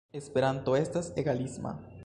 Esperanto estas egalisma.